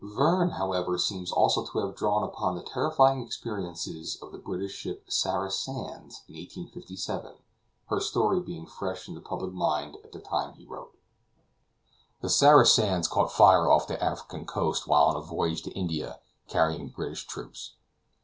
Verne, however, seems also to have drawn upon the terrifying experiences of the British ship Sarah Sands in 1857, her story being fresh in the public mind at the time he wrote. The Sarah Sands caught fire off the African coast while on a voyage to India carrying British troops.